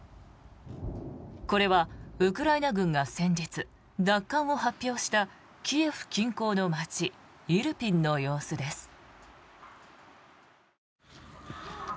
これは、ウクライナ軍が先日、奪還を発表したキエフ近郊の街イルピンの様子です。